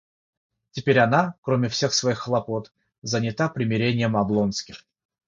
Теперь она, кроме всех своих хлопот, занята примирением Облонских.